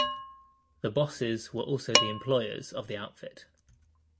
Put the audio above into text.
The bosses were also the employers of the outfit.